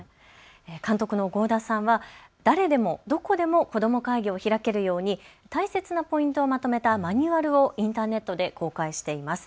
監督の豪田さんは誰でも、どこでも、子ども会議を開けるように大切なポイントをまとめたマニュアルをインターネットで公開しています。